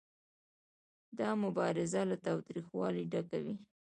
دا مبارزه له تاوتریخوالي ډکه وي